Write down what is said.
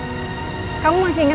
mereka dibawah husband yang padat